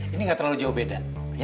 ini nggak terlalu jauh beda